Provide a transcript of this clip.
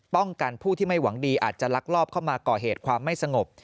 กันผู้ที่ไม่หวังดีอาจจะลักลอบเข้ามาก่อเหตุความไม่สงบ